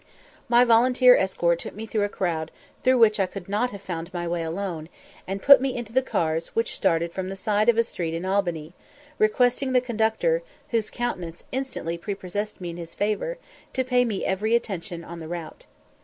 My volunteer escort took me through a crowd through which I could not have found my way alone, and put me into the cars which started from the side of a street in Albany, requesting the conductor, whose countenance instantly prepossessed me in his favour, to pay me every attention on the route.